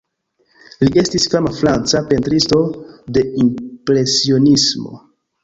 Li estis fama franca pentristo, de Impresionismo.